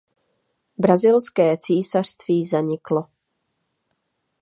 Brazilské císařství zaniklo.